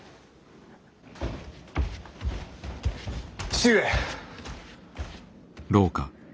父上。